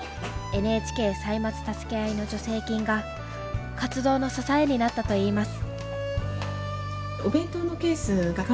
「ＮＨＫ歳末たすけあい」の助成金が活動の支えになったと言います。